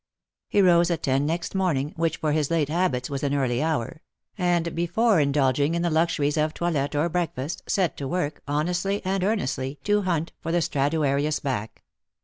He rose at ten next morning, which for his late habits was an early hour; and before indulging in the luxuries of toilet or breakfast, set to work, honestly and earnestly, to hunt for the Straduarius back.